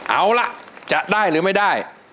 เอาล่ะจะได้หรือไม่ได้